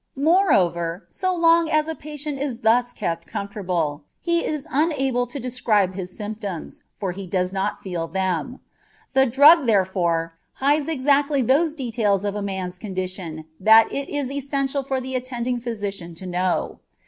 Moreover, so long as a patient is thus kept comfortable, he is unable to describe his symptoms, for he does not feel them. The drug, therefore, hides exactly those details of a man's condition that it is essential for the attending physician to know.